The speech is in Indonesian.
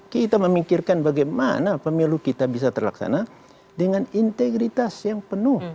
kita memikirkan bagaimana pemilu kita bisa terlaksana dengan integritas yang penuh